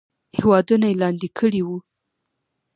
هیوادونه یې لاندې کړي وو.